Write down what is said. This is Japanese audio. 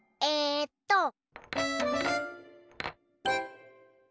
えと。